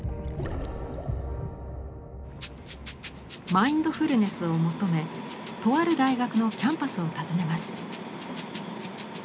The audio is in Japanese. マインドフルネスを求めとある大学のキャンパスを訪ねます。